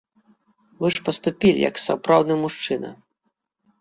Вы ж паступілі як сапраўдны мужчына!